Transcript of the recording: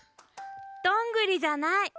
どんぐりじゃない！